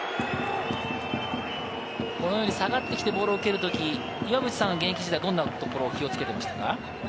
下がってきてボールを受けるとき、岩渕さんは現役時代どんなところを気をつけていましたか？